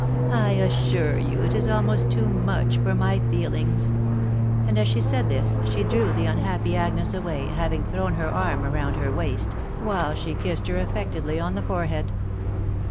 .... "I assure you it is almost too much for my feelings,*" and as she said this she drew the unhappy Agnes away, having thrown her arm round her waist, while she kissed her affectedly on the forehead.